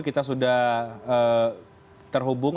kita sudah terhubung